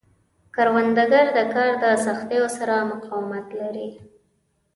کروندګر د کار د سختیو سره مقاومت لري